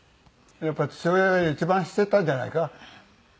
やっぱり父親が一番知ってたんじゃないか？